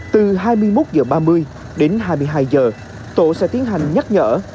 từ hai mươi một h ba mươi đến hai mươi hai h tổ sẽ tiến hành nhắc nhở